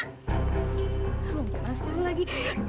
terlalu jelas terlalu lagi